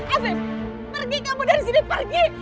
eve pergi kamu dari sini pergi